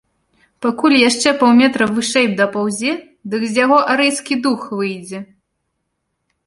Пакуль яшчэ паўметра вышэй дапаўзе, дык з яго арыйскі дух выйдзе.